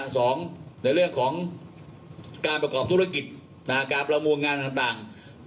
ในเรื่องของการประกอบธุรกิจการประมูลงานต่าง